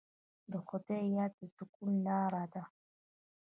د خدای یاد د سکون لاره ده.